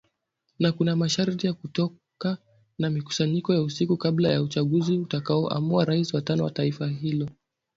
Na kuna masharti ya kutoka na mikusanyiko ya usiku kabla ya uchaguzi utakao amua rais wa tano wa taifa hilo.